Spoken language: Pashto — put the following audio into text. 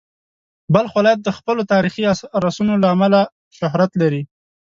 بلخ ولایت د خپلو تاریخي ارثونو له امله شهرت لري.